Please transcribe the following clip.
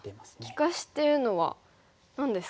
利かしっていうのは何ですか？